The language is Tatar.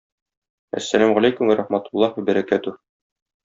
Әссәләмү галәйкүм вә рахмәтуллаһи вә бәракәтүһ!